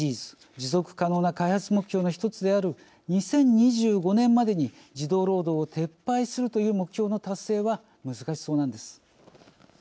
持続可能な開発目標の一つである２０２５年までに児童労働を撤廃するという目標の達成は難しそうなんです。